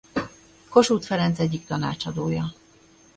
Kossuth Ferenc egyik tanácsadója.